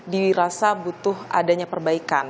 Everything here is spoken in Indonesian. dirasa butuh adanya perbaikan